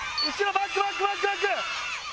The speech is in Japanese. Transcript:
バックバックバックバック！